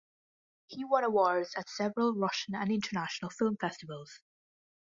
He won awards at several Russian and international film festivals.